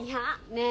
ねえ！